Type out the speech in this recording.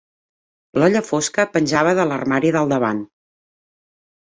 L'olla fosca penjava de l'armari del davant.